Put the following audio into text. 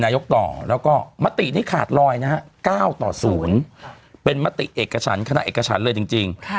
ต่อแล้วก็มตินี้ขาดลอยนะฮะ๙ต่อ๐เป็นมติเอกฉันคณะเอกฉันเลยจริง